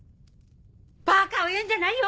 ばかを言うんじゃないよ！